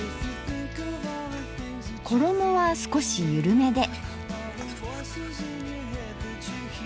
衣は少しゆるめで。